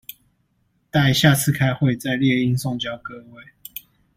待下次開會再列印送交各位